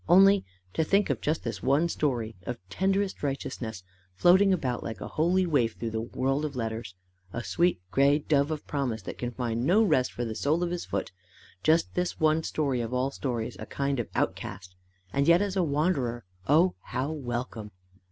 Only to think of just this one story, of tenderest righteousness, floating about like a holy waif through the world of letters! a sweet gray dove of promise that can find no rest for the sole of his foot! Just this one story of all stories a kind of outcast! and yet as a wanderer, oh, how welcome!